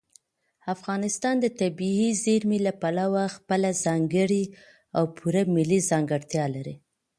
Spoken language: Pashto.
افغانستان د طبیعي زیرمې له پلوه خپله ځانګړې او پوره ملي ځانګړتیا لري.